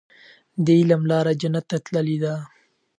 د علم لاره جنت ته تللې ده.